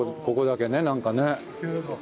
ここだけねなんかね。